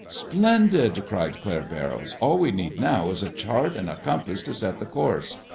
"Splendid!" cried Claire Barrows. "All we need now is a chart and a compass to set the course.